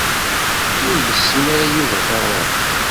Ur yessin ara Yuba taɣuṛi.